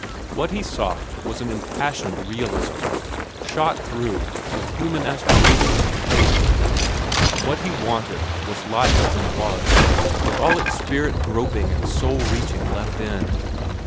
What he sought was an impassioned realism, shot through with human aspiration and faith. What he wanted was life as it was, with all its spirit groping and soul reaching left in.